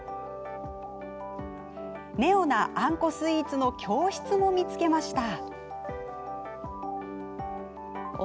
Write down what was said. ネオな、あんこスイーツの教室も見つけました。